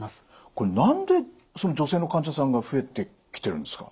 これ何で女性の患者さんが増えてきてるんですか？